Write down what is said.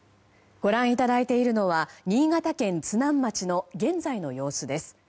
ご覧いただいているのは新潟県津南町の現在の様子です。